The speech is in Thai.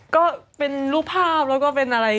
ก็เป็นรูปภาพแล้วก็เป็นอะไร